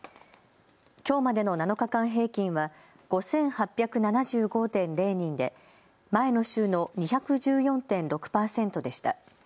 きょうまでの７日間平均は５８７５．０人で前の週の２１４．６％でした。